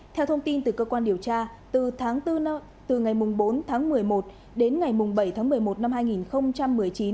theo thông tin từ cơ quan điều tra từ ngày bốn tháng một mươi một đến ngày bảy tháng một mươi một năm hai nghìn một mươi chín